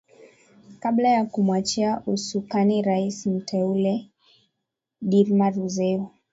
kabla ya kumuachia usukani rais muteule dirma ruzeo